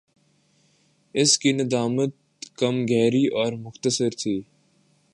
اس کی ندامت کم گہری اور مختصر تھِی